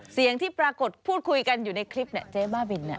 เสียงที่ปรากฏพูดคุยกันอยู่ในคลิปเนี่ยเจ๊บ้าบิน